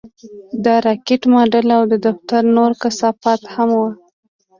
د راکټ ماډل او د دفتر نور کثافات هم وو